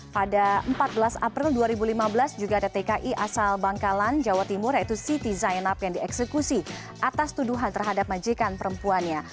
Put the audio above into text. pada empat belas april dua ribu lima belas juga ada tki asal bangkalan jawa timur yaitu siti zainab yang dieksekusi atas tuduhan terhadap majikan perempuannya